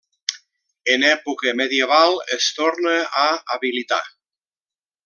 En època medieval es torna a habilitar.